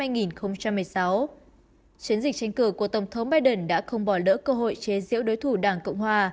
chiến dịch tranh cử của tổng thống biden đã không bỏ lỡ cơ hội chế diễu đối thủ đảng cộng hòa